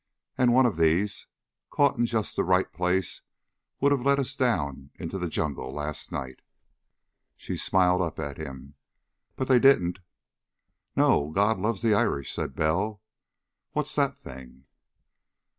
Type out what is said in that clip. "Any one of these, caught in just the right place, would have let us down into the jungle last night." She smiled up at him. "But they didn't." "No.... God loves the Irish," said Bell. "What's that thing?"